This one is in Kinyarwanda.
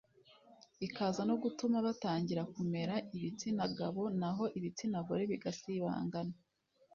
ikaza no gutuma batangira kumera ibitsina gabo naho ibitsina gore bigasibangana